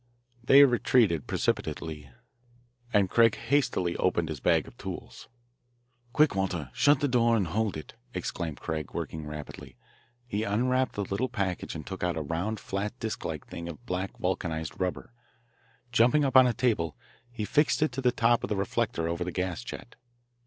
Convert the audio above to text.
They retreated precipitately, and Craig hastily opened his bag of tools. "Quick, Walter, shut the door and hold it," exclaimed Craig, working rapidly. He unwrapped a little package and took out a round, flat disc like thing of black vulcanised rubber. Jumping up on a table, he fixed it to the top of the reflector over the gas jet.